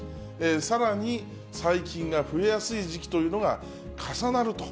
さらに細菌が増えやすい時期というのが重なると。